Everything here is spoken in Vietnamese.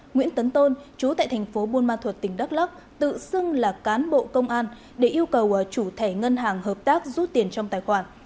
nguyễn tấn tôn chú tại thành phố buôn ma thuật tỉnh đắk lắc tự xưng là cán bộ công an để yêu cầu chủ thẻ ngân hàng hợp tác rút tiền trong tài khoản